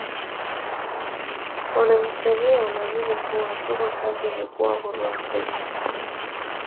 Wanahistoria wanaamini kuwa chuma kazi ilikuwa huru Afrika.